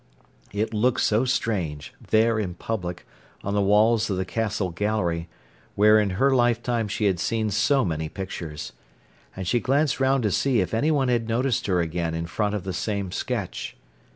It looked so strange, there in public, on the walls of the Castle gallery, where in her lifetime she had seen so many pictures. And she glanced round to see if anyone had noticed her again in front of the same sketch.